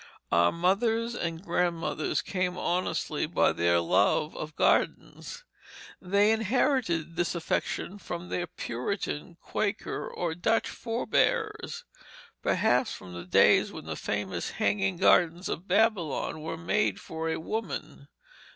Our mothers and grandmothers came honestly by their love of gardens. They inherited this affection from their Puritan, Quaker, or Dutch forbears, perhaps from the days when the famous hanging gardens of Babylon were made for a woman.